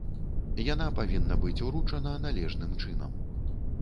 Яна павінна быць уручана належным чынам.